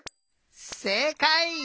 せいかい！